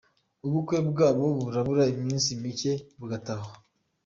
Ubukwe bwabo burabura iminsi micye bugatahwa.